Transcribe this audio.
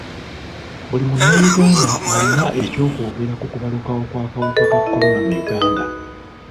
Buli munnayuganda alina ekyokwogera ku kubalukawo kw'akawuka ka kolona mu Uganda.